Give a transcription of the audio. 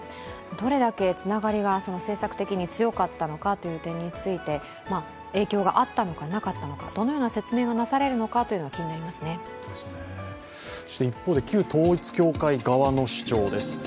どれだけつながりが政策的に強かったのかという点について影響があったのかなかったのかどのような説明がなされるのか一方で旧統一教会側の主張です。